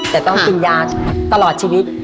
แต่ต้องกินยาตลอดชีวิต